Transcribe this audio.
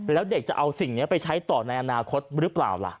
แล้วเด็กจะเอาสิ่งนี้ไปใช้ต่อในอนาคตหรือเปล่าล่ะ